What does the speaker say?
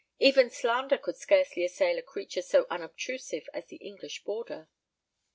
Even slander could scarcely assail a creature so unobtrusive as the English boarder.